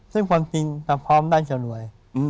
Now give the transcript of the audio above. ซึ่งความจริงทะพร้อมได้จะรวย